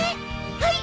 はい！